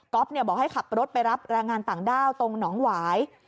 บอกให้ขับรถไปรับแรงงานต่างด้าวตรงหนองหวาย